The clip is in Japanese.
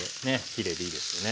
きれいでいいですよね。